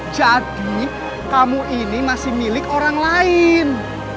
jadi kamu ini masih milik orang lain